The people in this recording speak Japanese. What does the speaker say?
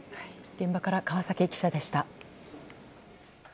現場から川崎記者でした。